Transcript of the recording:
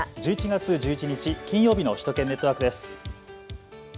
１１月１１日、金曜日の首都圏ネットワークです。